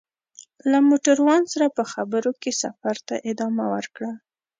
له موټروان سره په خبرو کې سفر ته ادامه ورکړه.